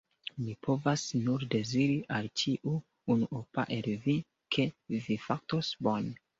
Mi povas nur deziri al ĉiu unuopa el vi, ke vi fartos bone.